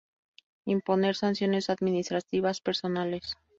Imponer sanciones administrativas personales.